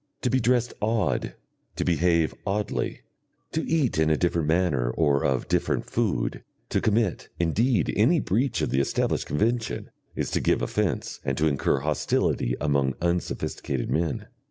To be dressed "odd," to behave "oddly," to eat in a different manner or of different food, to commit, indeed, any breach of the established convention is to give offence and to incur hostility among unsophisticated men.